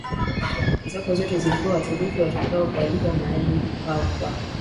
zako zote Ikiwa Waturuki watakualika mahali pao kwa